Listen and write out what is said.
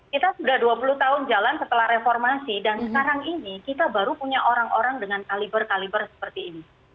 kita sudah dua puluh tahun jalan setelah reformasi dan sekarang ini kita baru punya orang orang dengan kaliber kaliber seperti ini